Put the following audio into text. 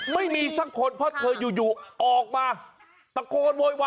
ไม่มีสักคนเพราะเธออยู่ออกมาตะโกนโวยวาย